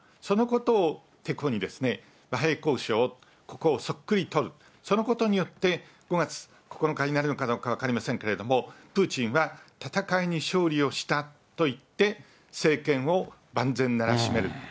そのことをてこに和平交渉を、ここをしっかり取る、そのことによって、５月９日になるのかどうか分かりませんけれども、プーチンは戦いに勝利をしたといって、政権を万全ならしめる。